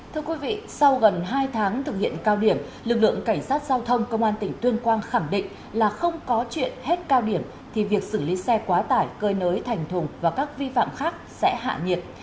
thưa quý vị sau gần hai tháng thực hiện cao điểm lực lượng cảnh sát giao thông công an tỉnh tuyên quang khẳng định là không có chuyện hết cao điểm thì việc xử lý xe quá tải cơi nới thành thùng và các vi phạm khác sẽ hạ nhiệt